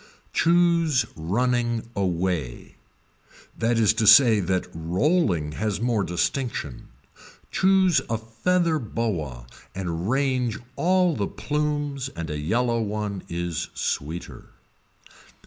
Choose running anyway, that is to say that rolling has more distinction, choose a feather boa and range all the plumes and a yellow one is sweeter.